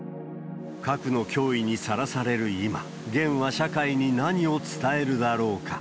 核の脅威にさらされる今、ゲンは社会に何を伝えるだろうか。